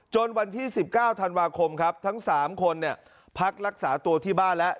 วันที่๑๙ธันวาคมครับทั้ง๓คนพักรักษาตัวที่บ้านแล้ว